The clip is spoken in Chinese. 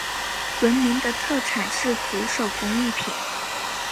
闻名的特产是竹手工艺品。